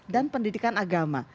dan pendidikan agama